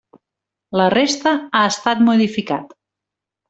La resta ha estat modificat.